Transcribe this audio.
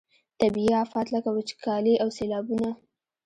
طبیعي آفات لکه وچکالي او سیلابونه.